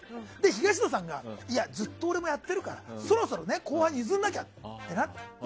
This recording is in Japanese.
東野さんがずっと俺もやってるからそろそろ後輩に譲らなきゃってＭＣを。